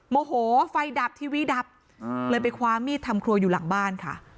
โมโหไฟดับทีวีดับเลยไปคว้ามีดทำครัวอยู่หลังบ้านค่ะ